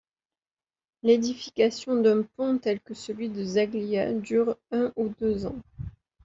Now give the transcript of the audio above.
L’édification d’un pont tel que celui de Zaglia dure un ou deux ans.